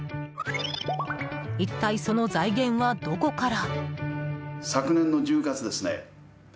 一体、その財源はどこから。